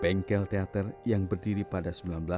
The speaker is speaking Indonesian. bengkel teater yang berdiri pada seribu sembilan ratus sembilan puluh